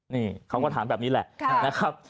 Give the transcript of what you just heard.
นี่เขาก็ถามแบบนี้แหละนะครับ